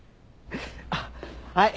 あっはい。